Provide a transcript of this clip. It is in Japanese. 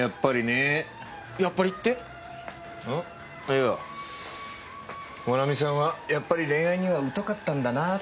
いやもなみさんはやっぱり恋愛には疎かったんだなぁって。